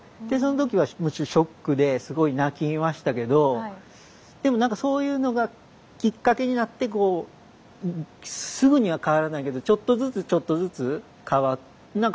でその時はもちろんショックですごい泣きましたけどでも何かそういうのがきっかけになってこうすぐには変わらないけどちょっとずつちょっとずつ変わって。